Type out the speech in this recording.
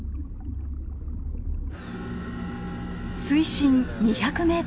水深２００ｍ。